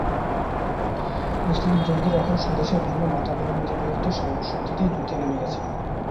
মুসলিম জঙ্গিরা এখন স্বদেশের ভিন্ন মতাবলম্বীদের বিরুদ্ধে সর্বশক্তি দিয়ে যুদ্ধে নেমে পড়েছে।